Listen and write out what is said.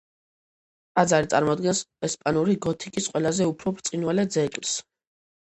ტაძარი წარმოადგენს ესპანური გოთიკის ყველაზე უფრო ბრწყინვალე ძეგლს.